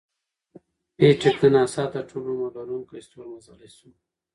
پېټټ د ناسا تر ټولو عمر لرونکی ستور مزلی شو.